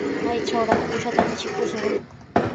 ¿Maytrawraq uushata michikushwan?